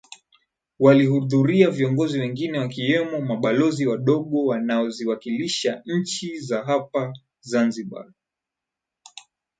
Walihudhuria viongozi wengine wakiwemo Mabalozi wadogo wanaoziwakilisha nchi zao hapa Zanzibar